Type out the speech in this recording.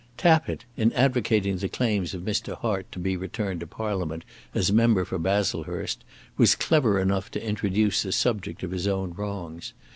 Tappitt, in advocating the claims of Mr. Hart to be returned to Parliament as member for Baslehurst, was clever enough to introduce the subject of his own wrongs.